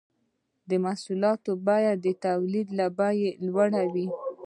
د محصولاتو بیه د تولید له بیې لوړه وي